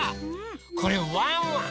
これワンワン！